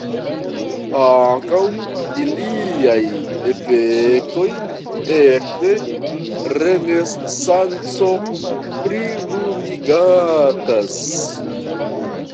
Ankaŭ iliaj efektoj ekde Renesanco prilumigatas.